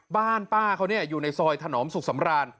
บ้านป้าเขาอยู่ในซอยถนอมสุขสำราญ